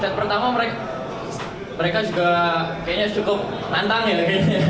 set pertama mereka juga kayaknya cukup nantang ya